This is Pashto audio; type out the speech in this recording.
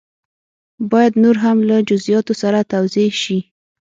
باید نور هم له جزیاتو سره توضیح شي.